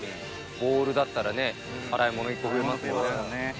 ボウルだったらね洗い物１個増えますもんね。